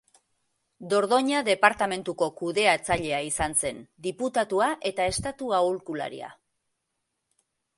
Dordoina departamenduko kudeatzailea izan zen, diputatua eta estatu-aholkularia.